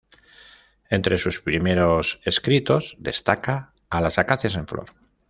Entre sus primeros escritos destaca "A las acacias en flor".